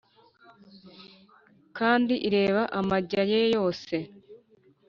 Kandi ireba amajya ye yose